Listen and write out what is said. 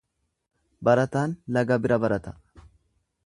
Barataan laga bira barata.